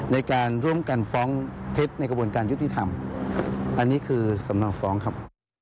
ในการร่วมกันฟ้องเท็จในกระบวนการยุติธรรมอันนี้คือสำนองฟ้องครับ